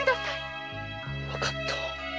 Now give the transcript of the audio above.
わかった。